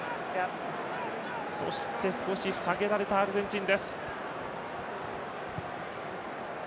そして、少し下げられたアルゼンチン。